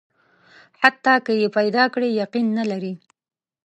حتی که یې پیدا کړي، یقین نه لري.